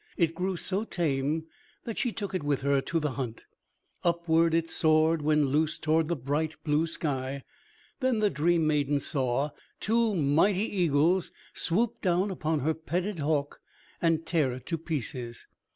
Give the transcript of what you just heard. It grew so tame that she took it with her to the hunt. Upward it soared when loosed toward the bright blue sky. Then the dream maiden saw two mighty eagles swoop down upon her petted hawk and tear it to pieces.